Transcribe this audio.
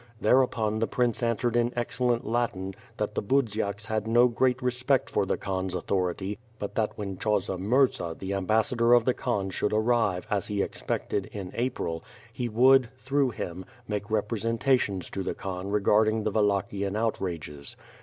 Thereupon the prince answered in excellent Latin, that the Budziaks had no great respect for the Elhan's authority, but that when Chausa Murza the am bassador of the Khan should arrive, as he expected, in April, he would, through him, make representations to the Khan regarding the Wallachian outrages.